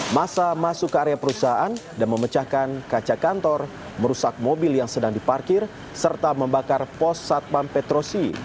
masa masuk ke area perusahaan dan memecahkan kaca kantor merusak mobil yang sedang diparkir serta membakar pos satpam petrosi